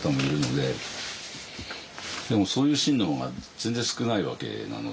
でもそういうシーンの方が全然少ないわけなので。